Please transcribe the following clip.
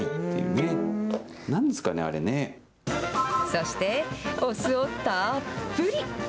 そして、お酢をたっぷり。